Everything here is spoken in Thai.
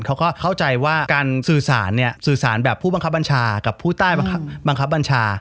เขาก็เข้าใจว่าการสื่อสารเนี่ยสื่อสารแบบผู้บังคับบัญชากับผู้ใต้บังคับบัญชา